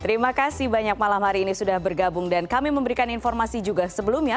terima kasih banyak malam hari ini sudah bergabung dan kami memberikan informasi juga sebelumnya